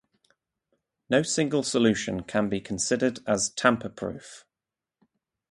No single solution can be considered as "tamper-proof".